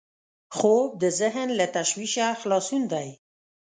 خوب د ذهن له تشویشه خلاصون دی